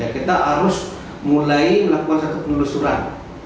kita harus mulai melakukan satu penelusuran